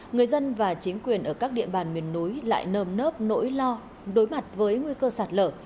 người dân và chính quyền ở các địa bàn miền núi lại nơm nớp nỗi lo đối mặt với nguy cơ sạt lở